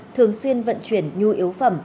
thường xuyên vận chuyển nhu yếu phẩm